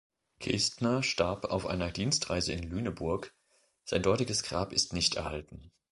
Kestner starb auf einer Dienstreise in Lüneburg, sein dortiges Grab ist nicht erhalten.